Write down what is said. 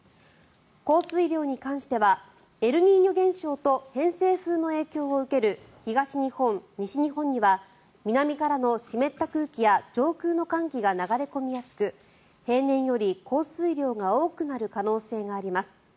降水量に関してはエルニーニョ現象と偏西風の影響を受ける東日本、西日本には南からの湿った空気や上空の寒気が流れ込みやすく平年より降水量が多くなる可能性があります。